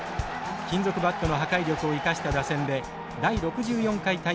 金属バットの破壊力を生かした打線で第６４回大会で優勝。